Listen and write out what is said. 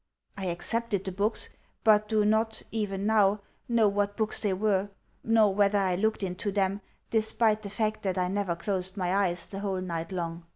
I accepted the books, but do not, even now, know what books they were, nor whether I looked into them, despite the fact that I never closed my eyes the whole night long.